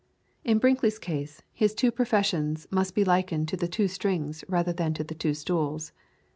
In Brinkley's case, his two professions must be likened to the two strings rather than to the two stools.